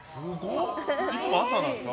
いつも朝なんですか？